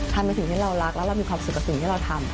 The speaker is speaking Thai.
ในสิ่งที่เรารักแล้วเรามีความสุขกับสิ่งที่เราทำ